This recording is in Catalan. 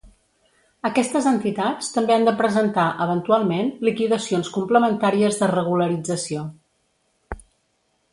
Aquestes entitats també han de presentar, eventualment, liquidacions complementàries de regularització.